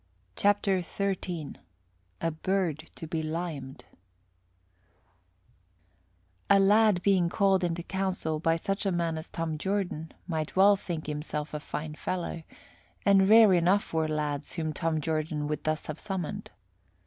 CHAPTER XIII A BIRD TO BE LIMED A lad being called into council by such a man as Tom Jordan might well think himself a fine fellow, and rare enough were lads whom Tom Jordan would thus have summoned.